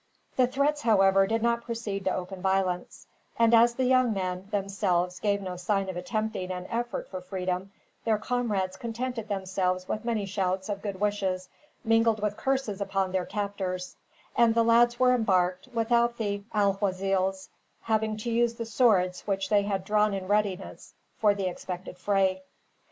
The threats, however, did not proceed to open violence; and as the young men, themselves, gave no sign of attempting an effort for freedom, their comrades contented themselves with many shouts of good wishes, mingled with curses upon their captors; and the lads were embarked, without the alguazils having to use the swords which they had drawn in readiness for the expected fray.